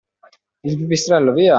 Il pipistrello, via!